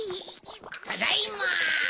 ただいま！